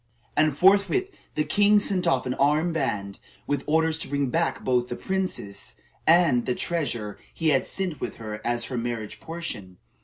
And forthwith the king sent off an armed band, with orders to bring back both the princess and the treasure he had sent with her as her marriage portion.